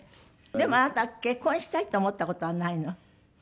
でもあなたは結婚したいと思った事はないの？